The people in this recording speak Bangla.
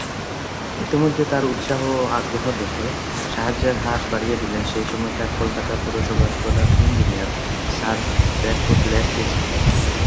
ইতিমধ্যে তার উৎসাহ ও আগ্রহ দেখে সাহায্যের হাত বাড়িয়ে দিলেন সেই সময়কার কলকাতা পুরসভার প্রধান ইঞ্জিনিয়ার স্যার ব্র্যাডফোর্ড লেসলি সাহেব।